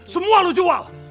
semua lu jual